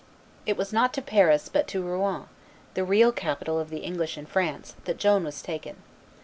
It was not to Paris, but to Rouen, the real capital of the English in France, that Joan was taken.